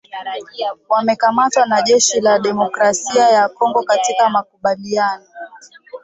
wamekamatwa na jeshi la Demokrasia ya Kongo katika makabiliano